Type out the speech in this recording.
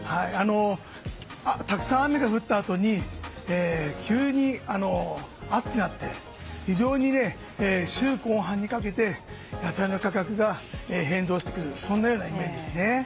たくさん雨が降ったあとに急に暑くなって非常に週後半にかけて野菜の価格が変動してくるようなイメージです。